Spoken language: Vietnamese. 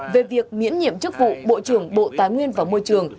về việc miễn nhiệm chức vụ bộ trưởng bộ tài nguyên và môi trường